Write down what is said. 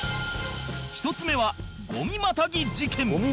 １つ目はゴミまたぎ事件